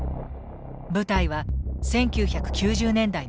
舞台は１９９０年代の東京。